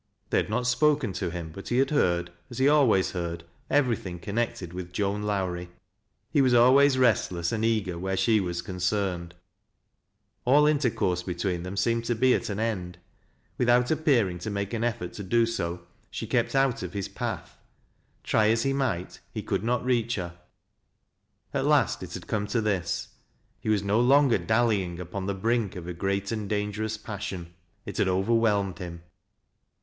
They had not spoken to him, but he had heard, as he always heard, everything connected with Joan Lowrie, He was always restless and eager where she was concerned. A U intercourse between them seemed to be at an end. W^ithout appearing to make an effort to do so, she kept out yl ]iis path. Try as he might, he could not reach her At last it had come to this: he was no longer dallying upon the brink of a groat and dangerous passion, — it ha^ overwhelmed him.